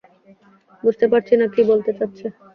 বুঝতে পারছি না কী বলতে চাচ্ছ।